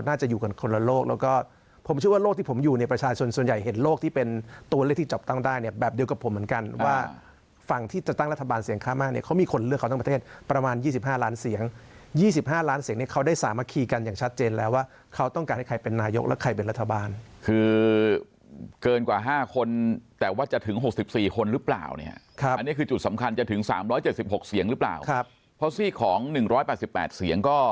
ทีนี้เมื่ออยู่กันคนละโลกของการทำลายความสามัคคีเนี่ยเป็นสัญลักษณ์ของการทำลายความสามัคคีเนี่ยเป็นสัญลักษณ์ของการทำลายความสามัคคีเนี่ยเป็นสัญลักษณ์ของการทำลายความสามัคคีเนี่ยเป็นสัญลักษณ์ของการทำลายความสามัคคีเนี่ยเป็นสัญลักษณ์ของการทำลายความสามัคคีเนี่ยเป็นสัญลักษณ์ของการ